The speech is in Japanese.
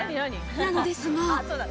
なのですが。